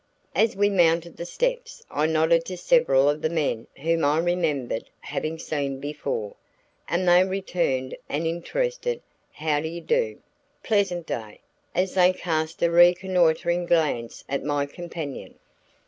As we mounted the steps I nodded to several of the men whom I remembered having seen before; and they returned an interested, "How dy do? Pleasant day," as they cast a reconnoitering glance at my companion.